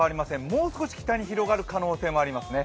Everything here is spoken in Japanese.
もう少し北に広がる可能性もありますね。